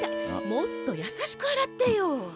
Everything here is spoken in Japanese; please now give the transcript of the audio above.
もっとやさしく洗ってよ！